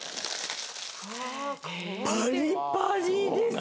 パリパリです。